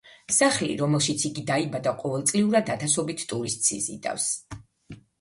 სახლი, რომელშიც იგი დაიბადა ყოველწლიურად ათასობით ტურისტს იზიდავს.